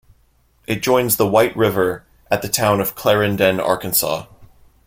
It joins the White River at the town of Clarendon, Arkansas.